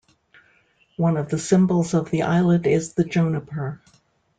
One of the symbols of the island is the juniper.